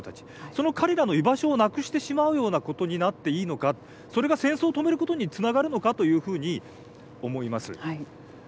その彼らの居場所をなくしてしまうようなことになっていいのかそれが戦争を止めることにつながるのかというふうに思います。